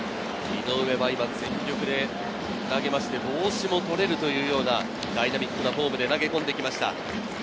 井上は今、全力で投げまして帽子も取れるというようなダイナミックなフォームで投げ込んできました。